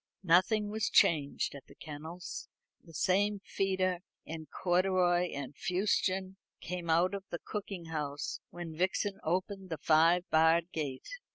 Nothing was changed at the kennels. The same feeder in corduroy and fustian came out of the cooking house when Vixen opened the five barred gate.